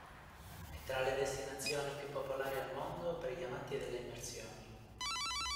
È tra le destinazioni più popolari al mondo per gli amanti delle immersioni.